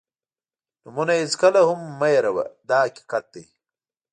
نومونه یې هېڅکله هم مه هېروه دا حقیقت دی.